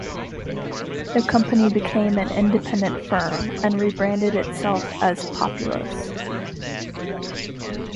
The company became an independent firm, and rebranded itself as Populous.